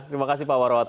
terima kasih pak warwata